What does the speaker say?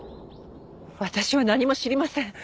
私は何も知りません。